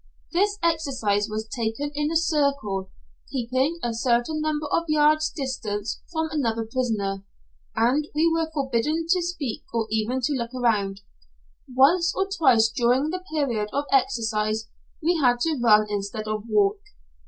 This exercise was taken in a circle, keeping a certain number of yards distant from another prisoner, and we were forbidden to speak or even to look round. Once or twice during the period of exercise we had to run instead of walk.